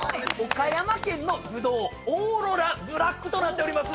岡山県のブドウオーロラブラックとなっております。